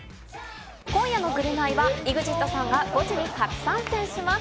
今夜の『ぐるナイ』はＥＸＩＴさんがゴチに初参戦します。